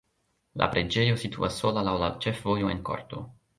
La preĝejo situas sola laŭ la ĉefvojo en korto.